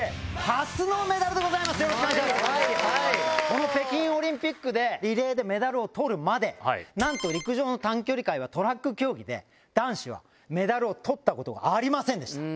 この北京オリンピックでリレーでメダルを取るまでなんと陸上の短距離界はトラック競技で男子はメダルを取ったことがありませんでした。